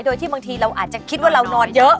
โดยที่บางทีเราอาจจะคิดว่าเรานอนเยอะ